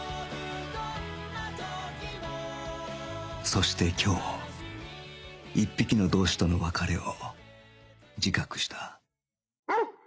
そして今日一匹の同志との別れを自覚した